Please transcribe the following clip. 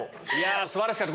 素晴らしかった！